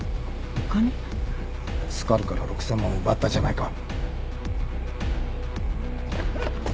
スカルから６，０００万を奪ったじゃないか。